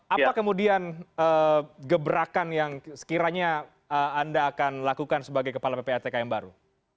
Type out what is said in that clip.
apa kemudian gebrakan yang sekiranya anda akan lakukan sebagai kepala ppatk yang baru